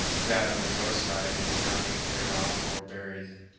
That on the north side is now being carried off or buried.